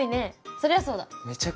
そりゃそうだ。